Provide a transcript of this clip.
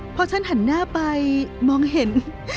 พอฉันหันหน้าไปมองเห็น